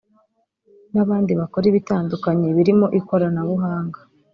n’abandi bakora ibitandukanye birimo ikoranabuhanga